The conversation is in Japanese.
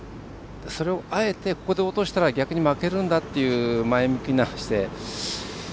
それをあえて、ここで落としたら負けるんだという前向きな姿勢。